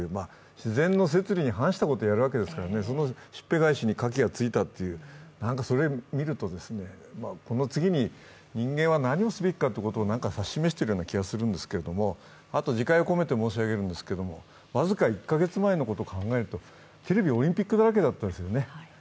自然の摂理に反したことをやるわけですからそのしっぺ返しにカキがついたという何かそれを見ると、この次に人間は何をすべきかを何か指し示しているような気がするんですけれども、自戒を込めて申し上げるんですけれども、僅か１カ月前のことを考えるとテレビはオリンピックだらけだったですよね。